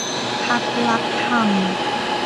พรรครักษ์ธรรม